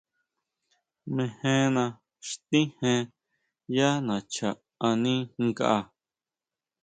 Mejena xtíjen yá nacha ani nkʼa.